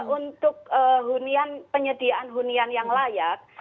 untuk penyediaan hunian yang layak